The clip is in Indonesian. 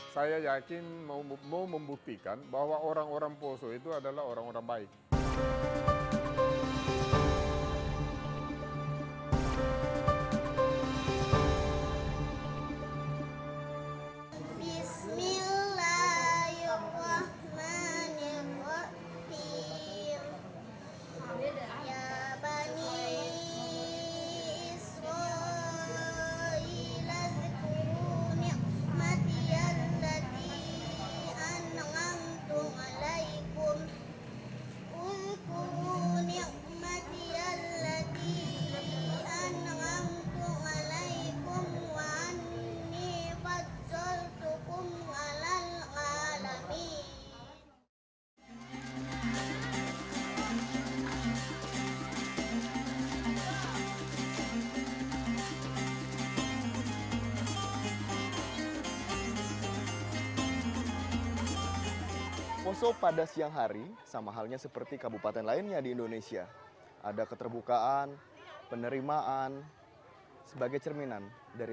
taman jk akan menemani kau p manda tuhan danlima agar mereka pulih dari baling yang d stunt maker